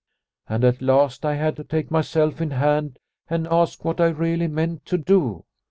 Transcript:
And at last I had to take myself in hand and ask what I really meant to do.